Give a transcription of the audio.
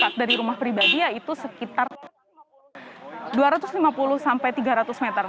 dan dekat dari rumah pribadi yaitu sekitar dua ratus lima puluh sampai tiga ratus meter